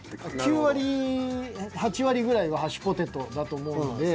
９割８割ぐらいはハッシュポテトだと思うんで。